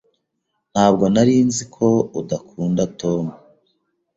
Ntabwo nari nzi ko udakunda Tom.